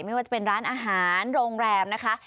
ไม่ว่าจะเป็นร้านอาหารโรงแรมนะคะ